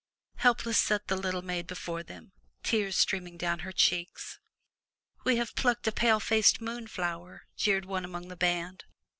Helpless sat the little maid before them, tears streaming down her cheeks. *'We have plucked a pale faced moon flower!'' jeered one among the band.